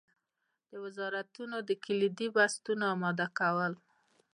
د وزارتونو د کلیدي بستونو اماده کول.